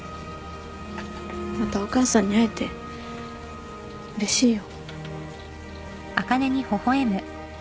またお母さんに会えてうれしいよ。